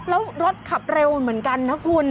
แล้วรถขับเร็วเหมือนกันนะคุณ